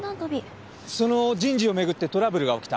その人事を巡ってトラブルが起きた。